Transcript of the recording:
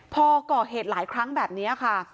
พอก่อเหตุหลายครั้งแบบนี้ค่ะ